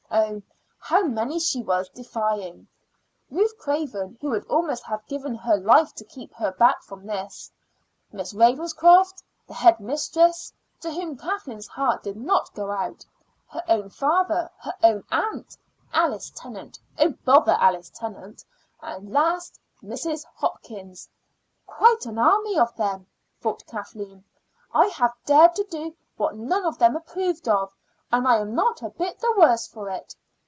Oh, how many she was defying: Ruth Craven, who would almost have given her life to keep her back from this; Miss Ravenscroft, the head mistress, to whom Kathleen's heart did not go out; her own father; her own aunt; Alice Tennant oh, bother Alice Tennant! And last, Mrs. Hopkins. "Quite an army of them," thought Kathleen. "I have dared to do what none of them approved of, and I am not a bit the worse for it.